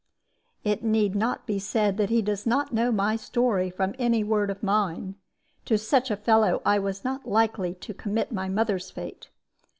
"It need not be said that he does not know my story from any word of mine. To such a fellow I was not likely to commit my mother's fate.